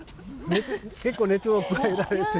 結構熱を加えられて。